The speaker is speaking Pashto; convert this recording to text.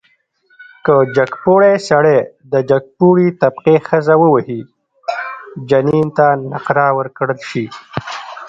که جګپوړی سړی د جګپوړي طبقې ښځه ووهي، جنین ته نقره ورکړل شي.